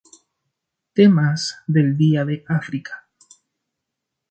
Temas del Día de África